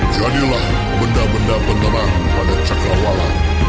jadilah benda benda penerang pada cakrawala